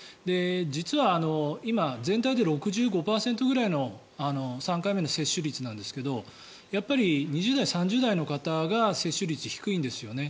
実は今、全体で６５％くらいの３回目の接種率なんですけどやっぱり２０代、３０代の方が接種率が低いんですよね。